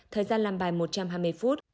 thời gian làm bài một trăm hai mươi phút